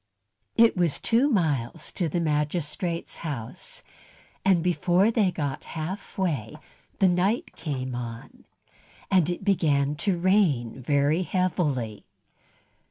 It was two miles to the magistrate's house, and before they had got half way the night came on, and it began to rain very heavily.